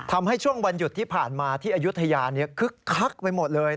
ทำให้ช่วงวันหยุดที่ผ่านมาที่อายุทยาคึกคักไปหมดเลย